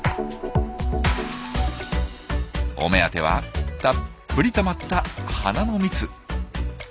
お目当てはたっぷりたまった花の蜜。